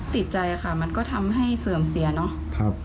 ติดใจค่ะมันก็ทำให้เสื่อมเสียเนาะ